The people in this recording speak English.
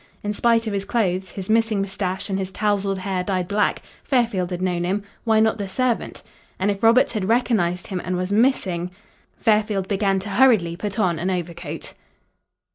In spite of his clothes, his missing moustache, and his tousled hair dyed black, Fairfield had known him. Why not the servant? And if Roberts had recognised him and was missing Fairfield began to hurriedly put on an overcoat.